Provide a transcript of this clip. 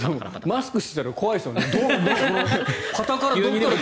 マスクしてたら怖いですよね。